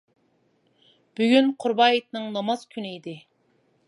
بۈگۈن قۇربان ھېيتنىڭ ناماز كۈنى ئىدى.